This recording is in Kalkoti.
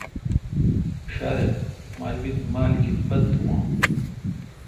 ݭارے مالبیت مال گی پت واں۔